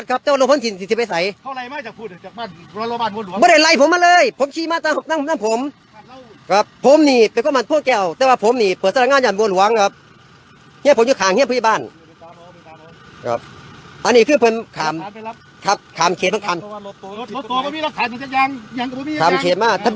เข้าไปติดตามหรอแล้วก็ต่อกันไปให้พบหลบเมื่อแล้วก็พบมา